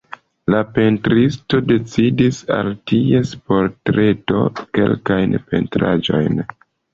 La pentristo dediĉis al ties portreto kelkajn pentraĵojn.